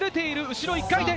後ろ１回転。